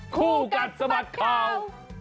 คู่กันสมัครข่าว